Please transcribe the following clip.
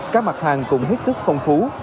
các mặt hàng cũng hết sức phong phú